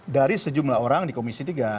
dari sejumlah orang di komisi tiga